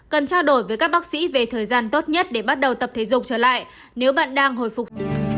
cần trao đổi với các bác sĩ về thời gian tốt nhất để bắt đầu tập thể dục trở lại nếu bạn đang hồi phục